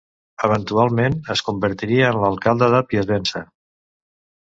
Eventualment es convertiria en l'alcalde de Piacenza.